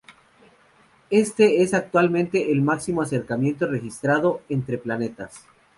Este es actualmente el máximo acercamiento registrado entre planetas.